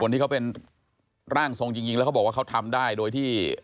ที่เขาเป็นร่างทรงจริงแล้วเขาบอกว่าเขาทำได้โดยที่